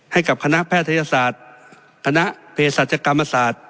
ให้กับคณะแพทยศาสตร์คณะเพศศาจกรรมศาสตร์